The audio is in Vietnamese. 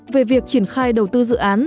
về việc triển khai đầu tư dự án